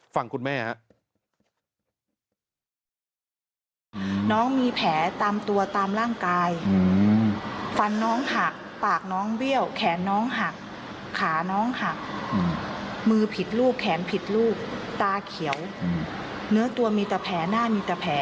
ฟังคุณแม่ครับ